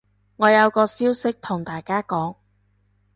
我有個消息同大家講